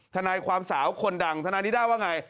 ทนายความสาวคนดังทนายนิด้าว่าไง